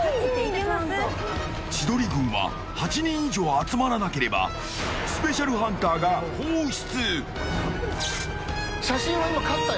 千鳥軍は８人以上集まらなければスペシャルハンターが放出。